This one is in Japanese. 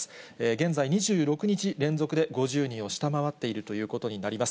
現在、２６日連続で５０人を下回っているということになります。